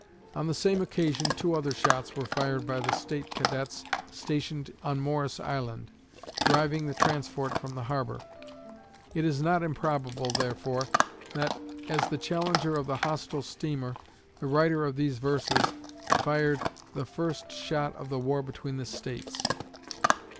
On the same occasion two other shots were fired by the State cadets stationed on Morris Island, driving the transport from the harbor. It is not improbable, therefore, that, as the challenger of the hostile steamer, the writer of these verses fired the first shot of the war between the States.